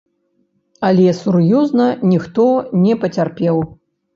Але сур'ёзна ніхто не пацярпеў.